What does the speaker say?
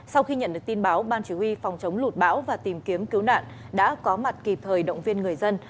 sau khi nhận được tin báo ban chỉ huy phòng chống lụt bão và tìm kiếm cứu nạn đã có mặt kịp thời động viên người dân